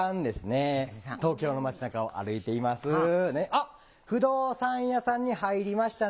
あっ不動産屋さんに入りましたね。